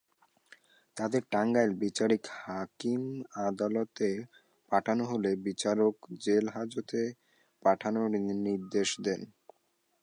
তাঁদের টাঙ্গাইল বিচারিক হাকিম আদালতে পাঠানো হলে বিচারক জেলহাজতে পাঠানোর নির্দেশ দেন।